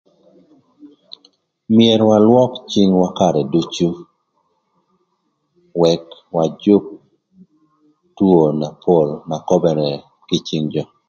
Myero walwök cïngwa karë ducu, ëk wajük two na pol na köbërë kï cïng jö.